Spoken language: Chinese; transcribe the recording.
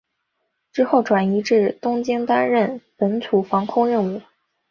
之后转移至东京担任本土防空任务。